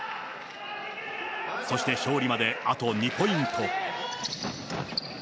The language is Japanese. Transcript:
そして勝利まであと２ポイント。